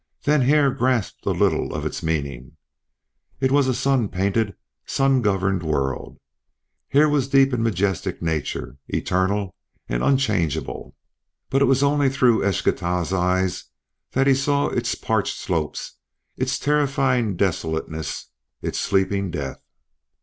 Then Hare grasped a little of its meaning. It was a sun painted, sun governed world. Here was deep and majestic Nature eternal and unchangeable. But it was only through Eschtah's eyes that he saw its parched slopes, its terrifying desolateness, its sleeping death.